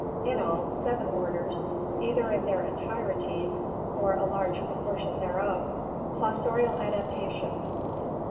67); in all, seven orders, either in their entirety or a large proportion thereof. Fossorial Adaptation.